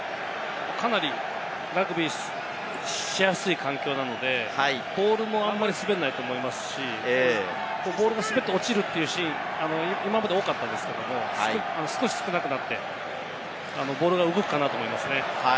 かなりラグビーしやすい環境なので、ボールもあんまり滑らないと思いますし、ボールが滑って落ちるというシーン、今まで多かったですけれども、少し少なくなってボールが動くかなと思いますね。